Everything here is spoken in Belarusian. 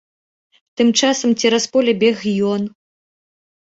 Тым часам цераз поле бег ён.